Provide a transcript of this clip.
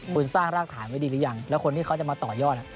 คุณสร้างรากฐานไว้ดีหรือยังแล้วคนที่เขาจะมาต่อยอด